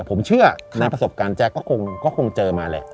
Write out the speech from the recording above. ผมเชื่อในประสบการณ์แจ๊คก็คงเจอมาแหละ